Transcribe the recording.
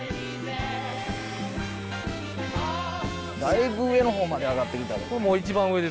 だいぶ上の方まで上がってきたで。